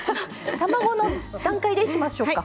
卵の段階でしましょうか？